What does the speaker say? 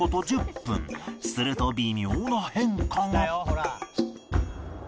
すると微妙な変化が